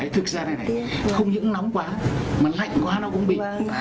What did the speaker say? thực ra này này không những nóng quá mà lạnh quá nó cũng bị